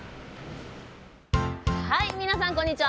皆さん、こんにちは。